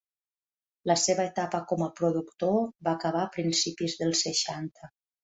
La seva etapa com a productor va acabar a principis dels seixanta.